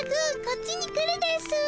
こっちに来るですぅ。